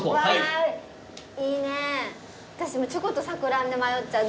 私チョコと桜あんで迷っちゃう。